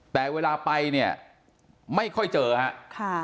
แต่เวลาไปเนี่ยไม่ค่อยเจอครับ